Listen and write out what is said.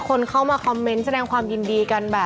คนเข้ามาคอมเมนต์แสดงความยินดีกันแบบ